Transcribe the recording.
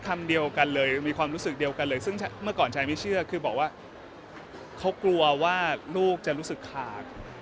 ก็คือบอกว่าเขากลัวว่าลูกจะรู้สึกขาด